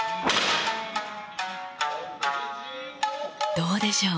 どうでしょう